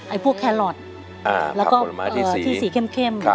ไอ้พวกแครอทแล้วก็ผักผลไม้ที่สีเข้ม